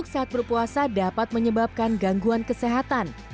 saat berpuasa dapat menyebabkan gangguan kesehatan